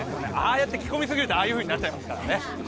ああやって着込みすぎると、ああいうふうになっちゃいますからね。